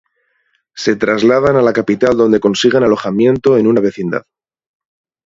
Se trasladan a la capital donde consiguen alojamiento en una vecindad.